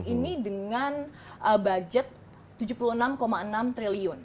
ini dengan budget rp tujuh puluh enam enam triliun